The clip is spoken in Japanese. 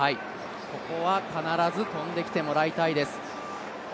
ここは必ず跳んできてもらいたいです。